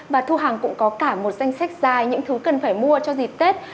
và thu hằng cũng có cả một danh sách dài những thứ cần phải mua cho dịp tết